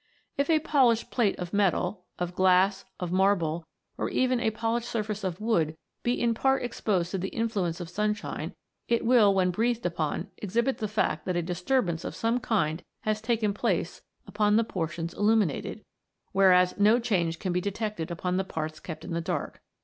If a polished plate of metal, of glass, of marble, or even a polished surface of wood, be in part exposed to the influence of sunshine, it will, when breathed upon, exhibit the fact that a distur bance of some kind has taken place upon the portions illuminated, whereas no change can be detected upon the parts kept in the dark.